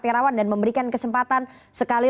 terawan dan memberikan kesempatan sekali